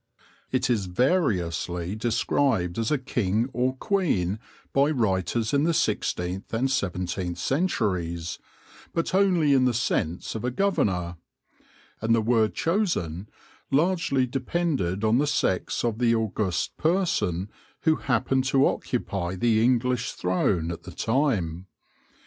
It is variously described as a king or queen by writers in the sixteenth and seventeenth centuries, but only in the sense of a governor ; and the word chosen largely depended on the sex of the august person who happened to occupy the English throne at the time.